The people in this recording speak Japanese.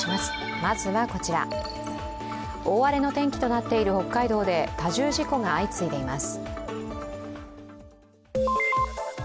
大荒れの天気となっている北海道で多重事故が相次いでいます。